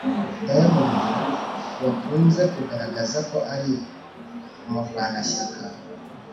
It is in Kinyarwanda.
diamond wakunze kugaragaza ko ari umurwanashyaka